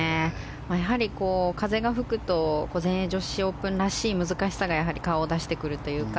風が吹くと全英女子オープンらしい難しさが顔を出してくるというか